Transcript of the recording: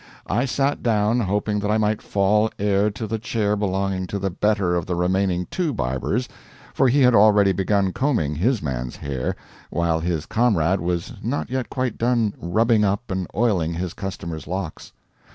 I sat down, hoping that I might fall heir to the chair belonging to the better of the remaining two barbers, for he had already begun combing his man's hair, while his comrade was not yet quite done rubbing up and oiling his customer's locks.